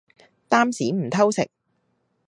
擔屎唔偷食